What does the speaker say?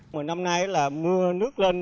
mùa năm nay là mưa nước lên chốt